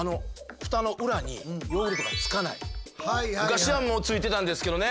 昔はもうついてたんですけどね。